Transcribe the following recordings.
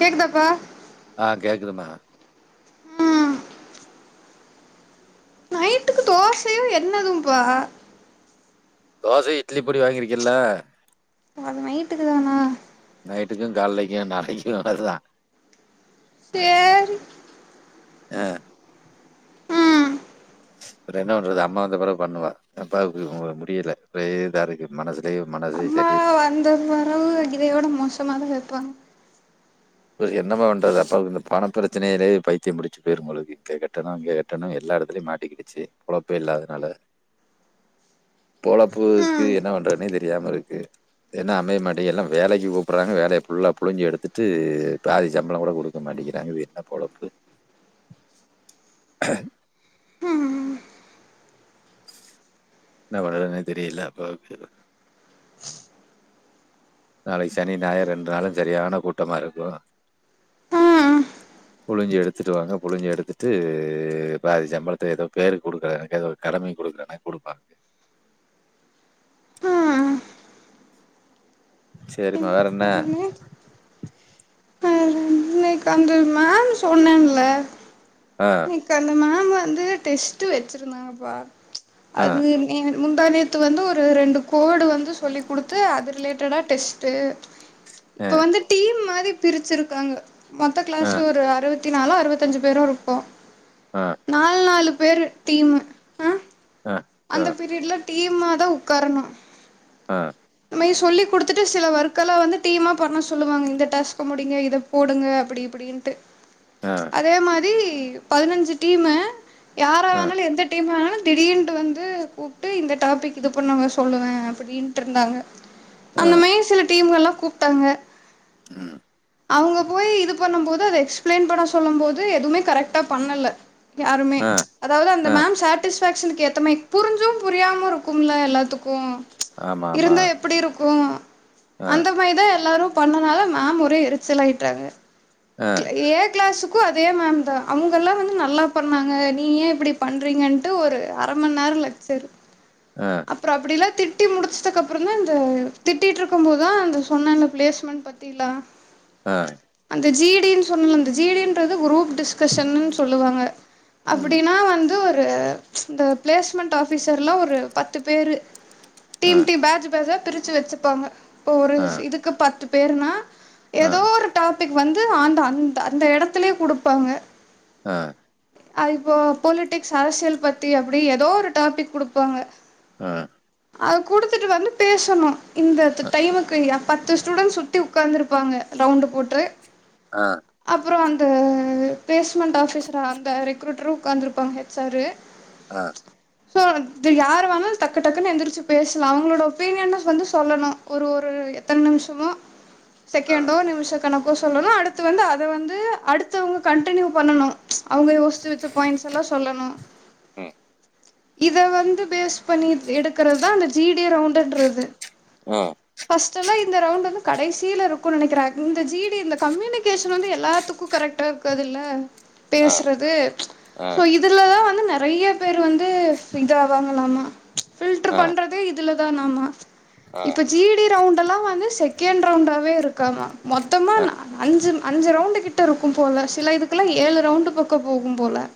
கேக்குதாப்பா ஆ கேக்குதும்மா ஆ ட்டுக்கு தோசையு என்னதும்ப்பா தோச இட்லி பொடி வாங்கிருக்கீல்ல அப்போ அது நைட்டுக்கு தானா நைட்டுக்கு கால்லைக்கு நாளைக்கு அதா சேர் அ ம் அப்புற என்ன பண்றது அம்மா வந்தா பெறவு பண்ணுவா அப்பாக்கு கொஞ்ச முடியல ஒரே இதா இருக்கு மனசுலயு மனசே சரியில்ல அந்த வரவ இதையோட மோசமாதா வெப்பாங்க இப்ப என்னமா பண்றது அப்பாக்கு இந்த பண பிரச்சனையிலே பைத்தியம் பிடிச்சு போயிரு போலருக்கு இங்க கட்டணு அங்க கட்டணு எல்லா எடத்துலயு மாட்டிக்கிடுச்சு பொழப்பே இல்லாதனால [inaudible] பொழப்புக்கு ம் என்ன பண்றதுன்னே தெரியாம இருக்கு என்ன அமைய மாட்டேங்கு எல்லா வேலைக்கு கூப்புட்றாங்க வேலைய ஃபுல்ல புழிஞ்சு எடுத்துட்டு இது பாதி சம்பள கூட குடுக்க மாட்டேங்கிறாங்க இது என்ன பொழப்பு ம் என்ன பண்றதுனே தெரியில அப்பாக்கு நாளைக்கு சனி ஞாயிறு ரெண்டு நாளு சரியான கூட்டமா இருக்கு ஆ புழிஞ்சி எடுத்துடுவாங்க புழிஞ்சி எடுத்துட்டு பாதி சம்பளத்த ஏதோ பேருக்கு கொடுக்கறத எனக்கு ஏதோ கடமைக்கு குடுக்கற மேர் குடுப்பாங்க ம் சேரிம்மா வேற என்ன அ இன்னைக்கு அந்த மேம் சொன்னாங்கல்ல ஆ கு அந்த மேம் வந்து டெஸ்ட்டு வச்சிருந்தாங்கப்பா ஆ அது ஏ முந்தாநேத்து வந்து ஒரு ரெண்டு கோடு வந்து சொல்லி்க் கொடுத்து அது ரிலேட்டடா டெஸ்ட்டு ஆ இப்ப வந்து டீம் மாரி பிரிச்சிருக்காங்க மொத்த ஆ கிளாஸ்ல ஒரு அறுவத் தி நாலோ அறுவத்தஞ்சு பேரு இருப்போ ஆ நாலு நாலு பேரு டீமு ஆ ஆ ஆ அந்த பீரியட்ல டீமா தா உக்காரணு ஆ நம்ம இத சொல்லி்க் குடுத்துட்டு சில ஒர்க்கெல்லா வந்து டீமா பண்ண சொல்லுவாங்க இந்த டாஸ்க்கு முடிங்க இத போடுங்க அப்டி இப்டின்ட்டு ஆ அதே மாரி பதினஞ்சு டீம்மு யார் ஆ எந்த டீம் வேனாலு திடீர்ன்ட்டு வந் து கூப்ட்டு இந்த டாப்பிக் இது பண்ணுங்க சொல்லுங்க அப்டின்ட்டு இருந்தாங்க ஆ அந்தமாயி சில டீம்கள்லா கூப்ட்டாங்க ம் அவங்க போய் இது பண்ணும் போது அத எக்ஸ்பிளைன் பண்ண சொல்லு போது எதுமே கரெக்டா பண்ணல யாருமே ஆ அதாவது அந்த ஆ மேம் சாட்டிஸ்பேக்ஸனுக்கு எத்தம புரிஞ்சு புரியாம இருக்கும்ல எல்லாத்துக்கு‌ ஆமா ஆமா இருந்தா எப்டி இருக்கு ஆ அந்த மாரிதா எல்லாரு பண்ணனால மேம் ஒரே எரிச்சல்லாய்ட்டங்கா ஆ ஏ க்ளாஸ் ருக்கு அதே மேம் தா அவங்க எல்லா வந்து நல்லா பண்ணாங்க நீ ஏ இப்டி பண்றீங்க ஒரு அரமணி நேர‌ லக் சரு ஆ அப்புறோ அப்டில்லா திட்டி முடிச்சது அப்புறோ தா இந்த திட்டிட்டு இருக்கு போதுதா அந்த சொன்னாங்க பிளேஸ்மெண்ட் பத் திலா ஆ அந்த ஜிடினு சொன்னல அந்த ஜிடின்றது குரூப் டிஸ்கஷ்ன்னு சொல்லுவாங்க ம் அப்டின்னா வந்து ஒரு இந்த பிளேஸ் மென்ட் ஆபிசர்லா ஒரு பத்து பேரு ஆ டீம் டீம் பேட்ச் பேட்ச்சா பிரிச்சு வச்சுப்பாங்க இப்ப ஒரு ஆ இதுக்கு பத்து பேருனா ஆ ஏதோ ஒரு டாபிக் வந்து ஆந் அந் அந்த எடத்துலே குடுப்பாங்க ஆ அது இப்போ பொலிடிக்ஸ் அரசியல் பத்தி அப்டி ஏதோ ஒரு டாபிக் குடுப்பாங்க ஆ அத குடுத்துட்டு வந்து பேசணு இந்தத்த டைமுக்கு பத்து ஸ்டூடெண்ட்ஸ் சுத்தி உக்காந்துருப்பாங்க ரவுண்டு போட்டு ஆ அப்புறோ அந்த பிளேஸ்மெண்ட் ஆஃபிசரா அந்த ரெக்ரூட்டரு உகாந்துருப்பாங்க ஹச் ஆரு ஆ சோ யாரு வேணாலு டக்கு டக்குன்னு எந்திரிச்சு பேசலா அவங்களோட ஒப்பீனியன் வந்து சொல்லணு ஒரு ஒரு எத்தன நிமிஷமோ ஆ செகண்டோ நிமஷ கணக்கோ சொல்லணு அடுத்து வந்து அத வந்து அடுத்தவங்க கன்டினியூ பண்ணணு அவ்ங்க யோசிச்சு வச்ச பாயிண்ட்ஸ் எல்லா சொல்லணு ம் இத வந்து பேஸ் பண்ணி எடுக்கறதுதா அந்த ஜி டி ரவுண்டுன்றது ஆ ஃபஸ்டெல்லா இந்த ரவுண்ட் வந்து கடைசியில இருக்குன்னு நெனைக்கிறே இந்த ஜி டி இந்த கம்யூனிகேஷன் வந்து எல்லாத்துக்கு கரெக்ட் டா இருக்கதுல்ல ஆ பேசுறது ஆ சோ இதுலதா வந்து நெறைய பேரு வந் து இதவாங்களாமா ஃபில்டர் பண்ணறதே இதுல தானாமா ஆ ஆ இப்ப ஜீ டி ரவுண்ட்ல்லா வந்து செகண்ட் ரவுண்டாவே இருக்காம மொத்தமா ஆ அஞ்சு அஞ்சு ரவுண்ட் கிட் ட இருக்கும் போல சில இதுக்குல்லா ஏழு ரவுண்டு பக்கோ போகும் போல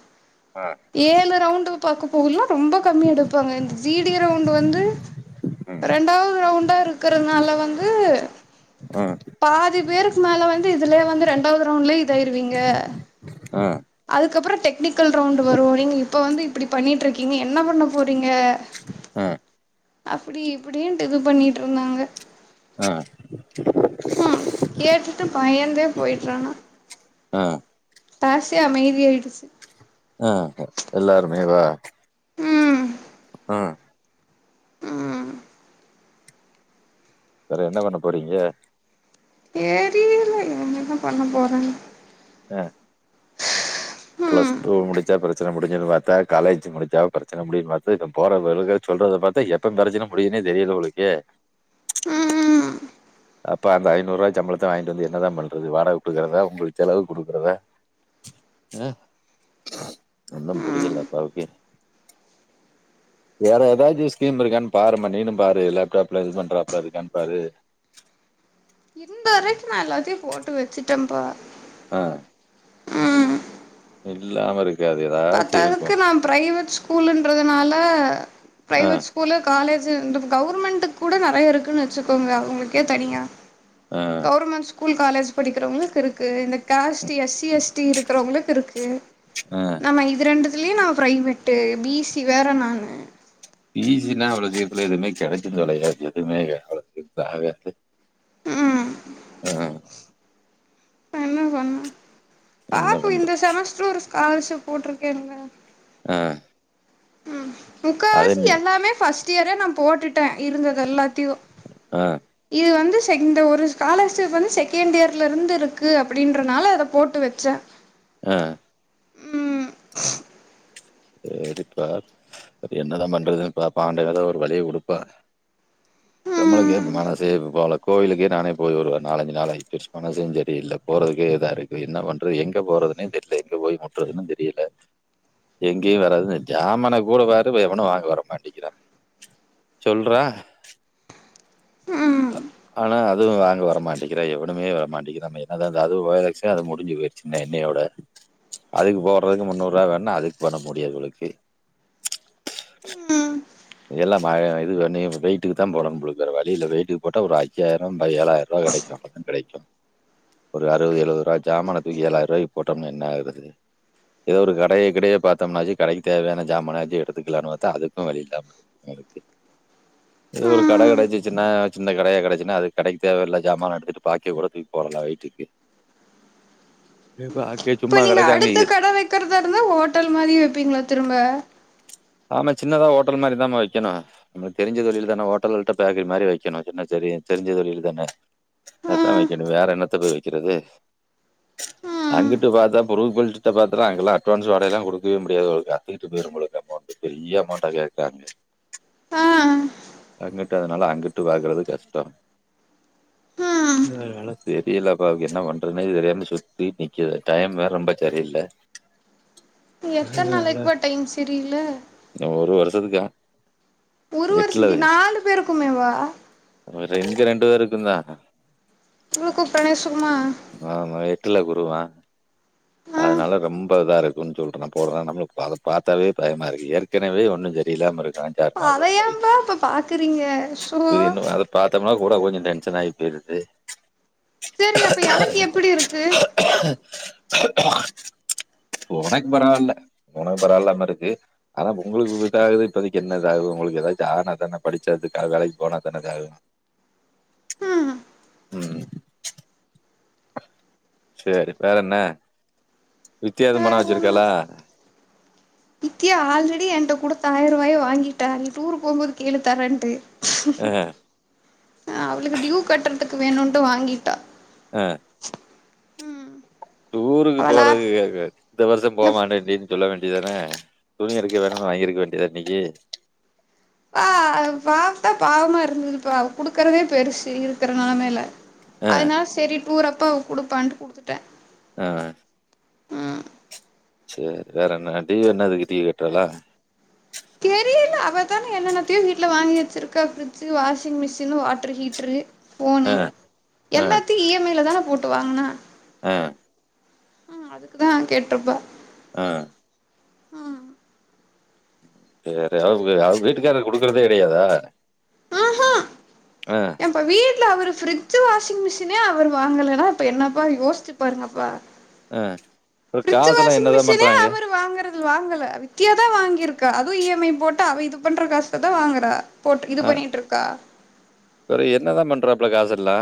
ஆ ஏழு ரவுண்ட் பாக்க போகுலா ரொம்ப கம்மியா எடுப்பாங்க இந்த ஜீ டி ரவுண்ட் வந்து ம் ரெண்டாவது ரவுண்டா இருக்கறதுனால வந்து ஆ பாதி பேருக்கு மேல வந்து இதுலயே வந்து ரெண்டாவது ரவுண்ட்லயே இதாயிருவீங்க ஆ அதுக்கப்றோ டெக்னிக்கல் ரவுண்ட்டு வரு நீங்க இப்ப வந்து ண்ணிட்ருக்கீங்க என்ன பண்ண போறீங்க ஆ அப்டி இப்டின்ட்டு இது பண்ணிட்ருந்தாங்க ஆ ம் கேட்டுட்டு பயந்தே போய்ட்றானா ஆ க்ளாஸே அமைதியாயிடுச்சு ஆ எல்லாருமேவா ம் ஆ ம் வேற என்ன பண்ணப் போறீங்க தெரில நா என்ன பண்ணப் போறேன்னு ஆ ப்ளஸ் ம் டூ முடிச்சா பிரச்சன முடிஞ்சுரு பாத்தா காலேஜ் முடிஞ்சா பிரச்சன முடியும்னு பாத்து இப்ப போற [unintelligible] சொல்றத பாத்தா எப்பம் பிரச்சன முடியுனே தெரில போலருக்கே ம் அப்ப அந்த ஐநூறுவா சம்பளத்த வாய்ன்ட்டு வந்து என்னதா பண்றது வாடக குடுக்குறதா உங்களுக்கு செலவுக்கு குடுக்குறதா ச்ச ஒன்னு ம் புரியல அப்பாவுக்கே வேற ஏதாச்சு ஸ்கீம் இருக்கானு பாரும்மா நீனு பாரு லேப்டாப்ல இது பண்றாப்ல இருக்கானு பாரு இருந்த வரைக்கு நா எல்லாத்தையு போட்டு வச்சுட்டேப்பா ஆ இல்லாம இருக்காதே பத்தாததுக்கு நா ப்ரைவேட் ஸ்கூலுன்றதுனால ஆ ப்ரைவேட்ஸ் ஸ்கூலு காலேஜு இந்த கவுர்மெண்ட்டுக்கு கூட நெறைய இருக்குன்னு வச்சுக்கோங்க அவுங்களுக்கே தனியா ஆ கவுர்மெண்ட் ஸ்கூல் காலேஜ் படிக்கிறவங்களுக்கு இருக்கு இந்த காஸ்டி எஸ் சி எஸ் டி இருக்குறவங்களுக்கு இருக்கு ஆ ஆமா இது ரெண்டுத்துலயு நா ப்ரைவேட்டு பி சி வேற நானு பி சி னா அவ்ளோ சீக்கிரத்துல எதுமே கெடச்சு தொலையாது எதுமே அவ்ளோ சீக்கிரத்துல ஆகாது ம் ஆ என்ன பண்ண என்ன பாப்போ இந்த பண்றது செமஸ்ட்ரு ஒரு ஸ்காலர்ஷிப் போட்ருக்கேன்ல ஆ ம் அதை முக்காவாசி நீ எல்லாமே ஃபஸ்ட் இயரே நா போட்டுட்ட இருந்தது எல்லாத்தையு ஆ இது வந்து செ இந்த ஒரு ஸ்காலர்ஷிப் வந்து செகண்ட் இயர்லருந்து இருக்கு அப்டின்றனால அத போட்டு வச்ச ஆ சேரிப்பா வேற என்னதா பண்றதுன்னு பாப்போ ஆண்டவ எதோ ஒரு வழிய குடுப்பா நம்மளுக்கே ம் மனசே போல கோயிலுக்கே நானே போய் ஒரு நாலஞ்சு நாள் ஆயி போச்சு மனசுஞ் சரியில்ல போறதுக்கே இதாருக்கு இப்ப என்ன பண்றது எங்க போறதுனே தெர்ல எங்க போய் முட்றதுன்னு தெரியில எங்கேயு வராது இந்த ஜாமன கூட பாரு எவனு வாங்க வர மாட்டேங்கிறா சொல்றா ம் ஆனா அதுவு வாங்க வர மாட்டேங்கிறா எவனுமே வரமாட்டேங்கிறா நம்ம என்னதா அதுவு [unintelligible] அது முடிஞ்சி போய்டு ச்சி இன்னையோட அதுக்கு போட்றதுக்கு முந்நூறுவா வேணு நா அதுக்கு பண்ண முடியாது போலருக்கு ம் எல்லா மழ இது பண்ணி வெயிட்டுக்கு தா போடணு போலருக்கு வேற வழியில்ல வெயிக்கு போட்டா ஒரு ஐயாயிரோ ஏழாயிரூவா கெடைக்கு அ கெடைக்கு ஒரு அறுவது எழுவதுரூவா ஜாமான தூக்கி ஏழாயிரூவாக்கி போட்டோம்னா என்ன ஆகுறது ஏதோ ஒரு கடைய கிடையே பாத்தோம்னாச்சு கடைக்கு தேவையான ஜாமானாச்சு எடுத்துக்கலான்னு பாத்தா அதுக்கு வயில்லாமா [inaudible] இது ஒரு கட கிடைச்சின்னா சின்ன கடையா கெடைச்சின்னா அது கடைக்கு தேவையில்ல ஜாமான எடுத்துட்டு பாக்கிய கூட தூக்கி போடலா வீட்டுக்கு [inaudible] [unintelligible] ஆட்டி வைக்கும் இப்போ நீங்க அடுத்த கடை வைக்கிறதா இருந்தா ஹோட்டல் மாரியே வப்பீங்களா திரும்ப ஆமா சின்னதா ஓட்டல் மாரி தாமா வெக்கணு நம்மளுக்கு தெரிஞ்ச தொழில் தானே ஓட்டல்கிட்ட பேக்கரி மாரி வெக்கணு என்னா செரி தெரிஞ்ச தொழில் தான அதத்தா ம் வைக்கணு வேற என்னத்த போய் வைக்கிறது [inaudible] அங்கிட்டு பாத்தா பொருது பிட்ட பாத்தா அங்கல்லா அட்வான்ஸ் வாடகயெல்லா குடுக்கவே முடியாது போல்க்க அத்துட்டு போயரும் பொழுக்க பெரிய அமௌண்டா கேக்காங்க ஆ அங்கட்டு அதனால அங்கிட்டு பாக்குறது கஷ்டம் ஆ அதனால தெரியலப்பாக்கு என்ன பண்றேன்னு இ தெரியாம சுத்திட் நிக்குது டைம் வேற ரொம்ப சரியில்ல எத்தன் நாளைக்குப்பா டைம் சரில்ல இன்னு ஒரு வருஷத்துக்கா எட்டுல ஒருக்கு நாலு பேருக்குமேவா ரங்க ரெண்டு பேருக்குந்தா தழுக்கு பிரணய சுமா ஆமா எட்டுல குருவா ஆ அதனால ரொம்ப இதாருக்கு குன் சொல்றா போறாத நம்முக் அத பாத்தாவே பயமா இருக்கு ஏற்கனவே ஒன்னு ஜரியில்லாம இருக்கா அத ஏம்ப்பா பாக்குறீங்க சோ இது இன்னும் அத பாத்தோம்னா கூட கொஞ்ச டென்ஷன் ஆகி போயிருது சரி அப்ப எனக்கு எப்பிடி இருக்கு உனக்கு பரவால உனக்கு பரவால்லாம இருக்கு ஆனா உங்களுக்கு இதாகுது இப்பதைக்கு என்ன இதாகு உங்களுக்கு ஏதாவது ஆனா தானே படிச்சதுக்கு வேலைக்கு போனா தான இதாகு ம் ம் சரி வேற என்ன வித்தியா எது பண வேற என்ன வச்சிருக்காலா வித்தியா ஆல்ரெடி ஏண்ட்ட கூடுத்த ஆயிர ரூவாய வாங்கிட்டாரு டூர் போம்போது கேழு தரன்ட்டு ஆ அவளுக்கு டியூ கட்டுறதுக்கு வேணும்ட்டு வாங்கிட்டா அ ம் டூருக்கு அவ போறது லேப் கேக்காது இந்த வருஷ போமாட்டேண்டின்னு சொல்ல வேண்டியதான துணி எடுக்க வேணு வாங்கிருக்க வேண்டியதான நியீ பா பாவத்தா பாவமா இருந்தது பா குடுக்குறதே பெருசு இருக்கிற நெலமையல ஆ அதனால சரி டூரப்பா அவ குடுப்பான்ட்டு குடுத்துட்டே ஆ ம் சரி வேற என்ன டிவ என்ன அதுக்கு டீவ கட்றாளா தெரியல அவதானே என்னென்னத்தையு வீட்ல வாங்கி வச்சிருக்கா ஃப்ரிட்ஜு வாஷிங் மிஷின்னு வாட்ரு ஹீட்ரு ஆ போனு ஆ எல்லாத்தையு இ எம் ஐல தான போட்டு வாங்கனா ஆ ஆ அதுக்குதா கேட்ருப்பா ஆ ம் சேரி அவ்க அவ்ங்க வீட்டுக்காரர் குடுக்கறதே கெடையாதா ஆ ஹா ஆ ஏம்ப்பா வீட்ல அவரு பிரிஜ் ச்சு வாஷிங் மிஷினே அவரு வாங்கலனா இப்ப என்னப்பா யோசுச்சு பாருங்கப்பா அ அப்ற காசெல்லா என்னதா பண்றாங்கெ து வாங்கல வித்தியா தா வாங்கிருக்கா அதுவு இ எம் ஐ போட்டு அவ இது பண்ற காசுலதா வாங்குற போட்டு இது பண்ணிட்ருக்கா இவரு என்னதா பண்றாப்ள காசெல்லா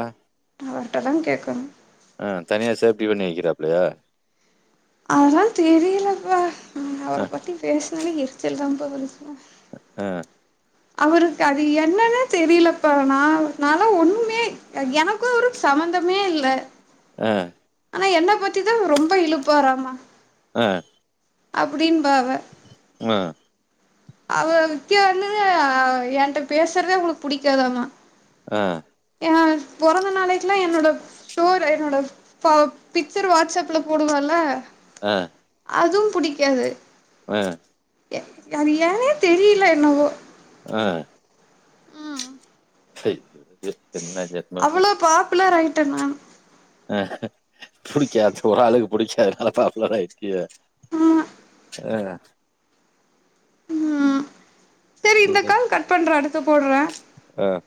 அவர்ட்ட தா கேக்கணு ஆ தனியா சேஃப்டி பண்ணி வைக்கிறாப்லயா அதுலா தெரியலப்பா அவர ஆ பத்தி பேசுனாலே எரிச்சல் தா பா வருது அ அவருக்கு அது என்னன்னே தெரியலப்பா நா நாலா ஒன்னுமே அ எனக்கு அவருக்கு சம்மந்தமே இல்ல அ ஆனா என்ன பத்திதா ரொம்ப இழுப்பாராமா அ அப்டின்பா அவ ம் அவ வித்தியா வந்துனு ஆ என்ட்ட பேசுறதே அவ்ங்களுக்கு புடிக்காதாமா ஆ எ பொறந்த நாளைக்குலா என்னோட ஸ்டோர் என்னோட ப பிக்சர் வாட்ஸப்ல போடுவால அ அதுவு புடிக்காது அ எ அது ஏனே தெரியல என்னவோ ஆ சேரி விடு அவளோ பாப்புலர் ஆயிட்டே நா அ பிடிக்காது ஒரு ஆளுக்கு பிடிக்காதனால பாப்புலர் ஆயிர்கியா ஆமா அ ம் சேரி இந்த கால் கட் பண்றே அடுத்து போட்றே அ